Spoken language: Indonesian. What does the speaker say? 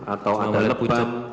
atau ada leban